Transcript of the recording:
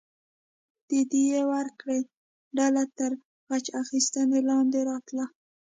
د دیه ورکړې ډله تر غچ اخیستنې لاندې راتله.